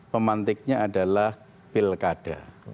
pemantiknya adalah pilkada